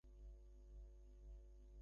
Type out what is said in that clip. মেয়েটা সত্যি কথা বলেছে।